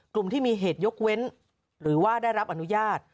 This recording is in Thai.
กลุ่มที่มีเหตุยกเว้นหรือว่าได้รับอนุญาต